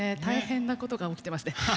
大変なことが起きてますね。